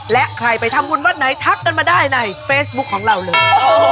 และใครไปทำบุญวัดไหนทักกันมาได้ในเฟซบุ๊คของเราเลย